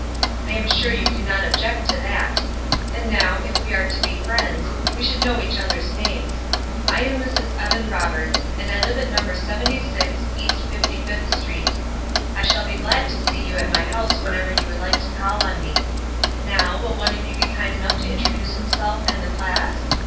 I am sure you cannot object to that; and now, if we are to be friends, we should know each other's names. I am Mrs. Evan Roberts, and I live at No. 76 East Fifty fifth Street. I shall be glad to see you at my house whenever you would like to call on me. Now, will one of you be kind enough to introduce himself and the class?